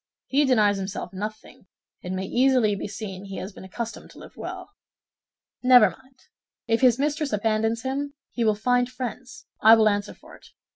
He denies himself nothing; it may easily be seen he has been accustomed to live well." "Never mind; if his mistress abandons him, he will find friends, I will answer for it.